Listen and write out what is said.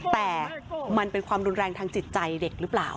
แต่มันเป็นความรุนแรงทางจิตใจเด็กหรือเปล่า